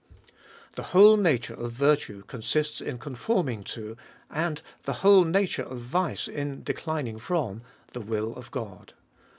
The whole nature of virtue consists in conforming, and the whole nature of vice in declining from the will of God.